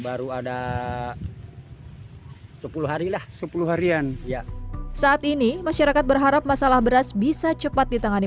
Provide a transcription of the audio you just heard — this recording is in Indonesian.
baru ada sepuluh hari lah sepuluh harian ya saat ini masyarakat berharap masalah beras bisa cepat ditangani